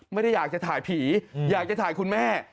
ไม่ได้อยากจะถ่ายผีอยากจะถ่ายคุณแม่